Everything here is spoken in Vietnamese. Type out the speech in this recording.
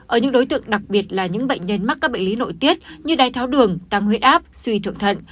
ở những đối tượng đặc biệt là những bệnh nhân mắc các bệnh lý nội tiết như đái tháo đường tăng huyết áp suy thượng thận